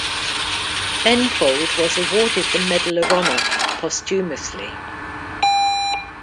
Benfold was awarded the Medal of Honor posthumously.